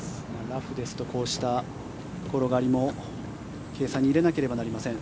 ラフですとこうした転がりも計算に入れなければなりません。